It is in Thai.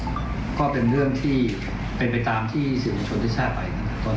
ในบางเรื่องก็เป็นเรื่องที่เป็นไปตามที่สื่อว่าชนได้ชาติไป